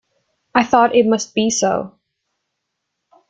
I thought it must be so.